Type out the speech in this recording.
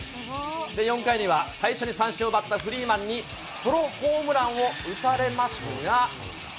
で、４回には最初に三振を奪ったフリーマンに、ソロホームランを打たれますが。